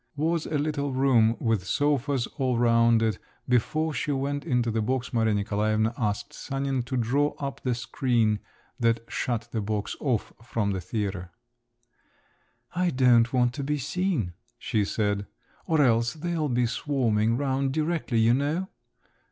was a little room, with sofas all round it; before she went into the box, Maria Nikolaevna asked Sanin to draw up the screen that shut the box off from the theatre. "I don't want to be seen," she said, "or else they'll be swarming round directly, you know."